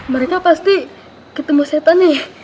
mereka pasti ketemu setan nih